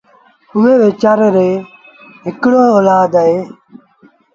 ائيٚݩ ويچآريٚ ريٚ هڪڙي اولت اهي